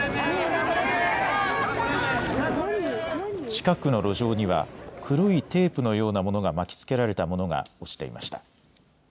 近くの路上には黒いテープのようなものが巻きつけられたものが落ちていました。